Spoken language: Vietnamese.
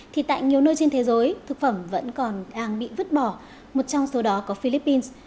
thì tại nhiều nơi trên thế giới thực phẩm vẫn còn đang bị vứt bỏ một trong số đó có philippines